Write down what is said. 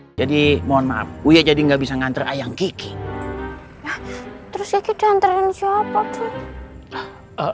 hai jadi mohon maaf uy jadi nggak bisa nganter ayam kiki terus kita antren siapa tuh